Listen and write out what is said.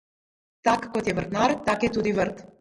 Tak kot je vrtnar, tak je tudi vrt.